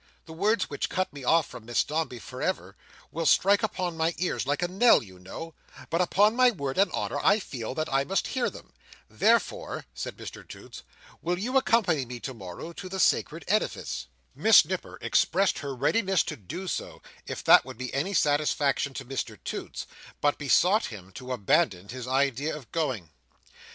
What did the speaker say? The words which cut me off from Miss Dombey for ever, will strike upon my ears like a knell you know, but upon my word and honour, I feel that I must hear them. Therefore," said Mr Toots, "will you accompany me to morrow, to the sacred edifice?" Miss Nipper expressed her readiness to do so, if that would be any satisfaction to Mr Toots, but besought him to abandon his idea of going.